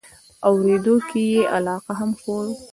اورېدو کې یې علاقه هم ښیو.